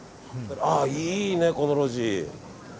いいね、この路地。